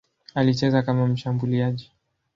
Alicheza kama mshambuliaji.